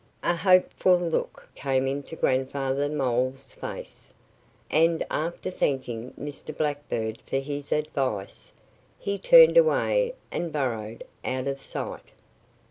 A hopeful look came into Grandfather Mole's face. And after thanking Mr. Blackbird for his advice, he turned away and burrowed out of sight.